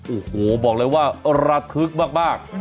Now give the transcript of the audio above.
โอ้โหบอกเลยว่าระทึกมาก